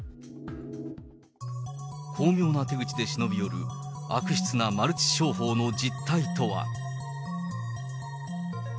巧妙な手口で忍び寄る悪質なマルチ商法の実態とは。